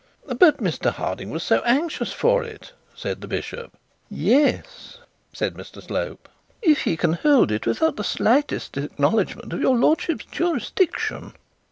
'But Mr Harding was so anxious for it,' said the bishop. 'Yes,' said Mr Slope, 'if he can hold it without the slightest acknowledgement of your lordship's jurisdiction.'